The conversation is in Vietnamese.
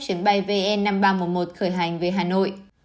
chuyến bay vn năm nghìn ba trăm một mươi một khởi hành về hà nội